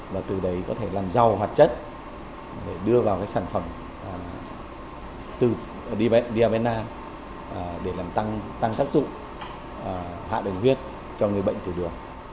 và từ đấy có thể làm rau hoạt chất đưa vào sản phẩm từ diabena để tăng tác dụng hạ đường huyết cho người bệnh tiểu đường